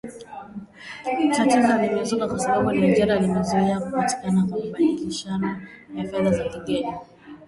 Tatizo limezuka kwa sababu Nigeria imezuia kupatikana kwa mabadilishano ya fedha za kigeni